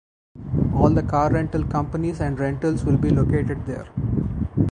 All the car rental companies and rentals will be located there.